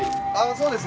そうです